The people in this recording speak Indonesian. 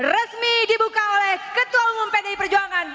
resmi dibuka oleh ketua umum pdi perjuangan